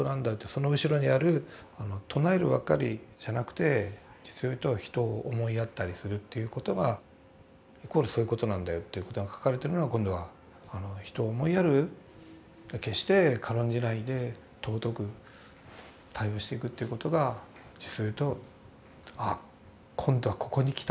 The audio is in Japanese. その後ろにある唱えるばっかりじゃなくて実を言うと人を思いやったりするということがイコールそういうことなんだよということが書かれてるのが今度は人を思いやる決して軽んじないで尊く対応していくということが実を言うとああ今度はここにきたと思って。